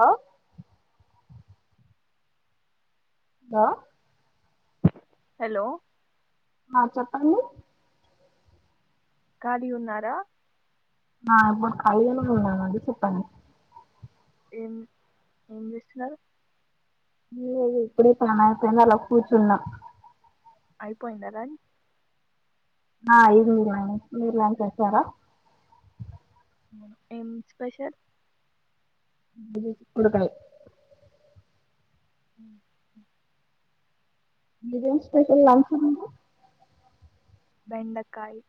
అ hello hello ఆ చెప్పండి ఖాళీ గున్నారా? ఆ ఇప్పుడు ఖాళీగానే ఉన్నానండి చెప్పండి. ఏం ఏం చేస్తున్నరు? ఏ ఇప్పుడె పనిఅయిపోయింది అల కూర్చున్న అయిపోయిందా లంచ్ ఆ అయిపోయిందండి మీరు లంచ్ చేసారా? ఉమ్ ఏం స్పెషల్ ఉమ్ కుడుకలే [inaudible] ఉమ్, మీదేం స్పెషల్ లంచ్ ఈరోజు బెండకాయ్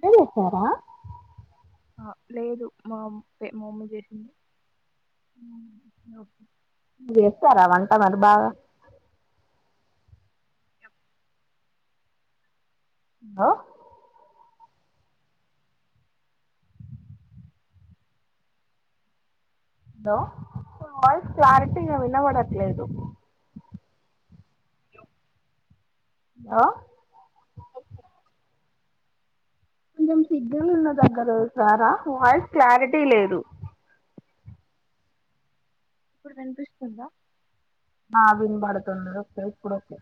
ఇద్దరు చేశార? ఆ లేదు మా మా మమ్మీ చేసింది ఉమ్ ఒకే మీరు చేస్తారా మరి వంట బాగా ఆ హలో మీ వాయిస్ క్లారిటీగా వినబడట్లేదు ఆ కొంచెం సిగ్నల్ ఉన్న దగ్గరికి రారా వాయిస్ క్లారిటీ లేదు ఇప్పుడు వినిపిస్తుందా ఆ వినబడుతుంది ఒకే ఓకే ఇప్పుడు ఒకే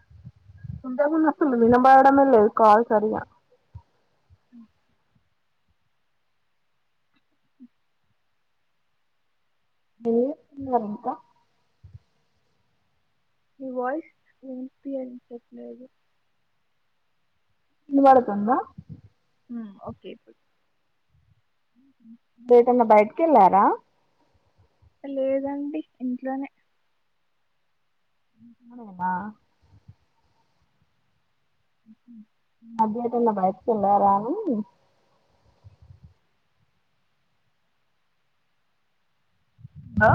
ఇంత ముందుకు అసలు ఉమ్, వినబడమే లేదు కాల్ సరిగా ఉ-హు ఎం తిన్నారా అక్క మీ వాయిస్ వినిపియ్యట్లేదు వినబడుతోందా ఉ ఒకే ఇప్పుడు ఏటన్నా బయటికి వెళ్ళారా లేదండి ఇంట్లోనే ఇంట్లోనేనా ఈ మధ్య ఎటన్న బయటికి వెళ్ళారా అని హలో